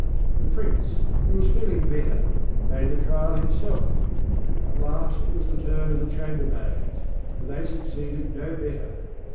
The Prince, who was feeling better, made the trial himself. At last it was the turn of the chamber maids; but they succeeded no better.